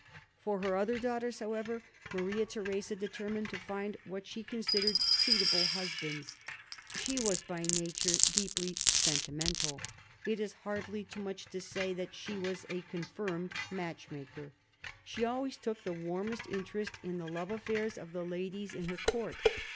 For her other daughters, however, Maria Theresa, determined to find what she considered suitable husbands. She was by nature deeply sentimental ; it is hardly too much to say that she was a confirmed match maker ; she always took the warmest interest in the love affairs of the ladies in her court.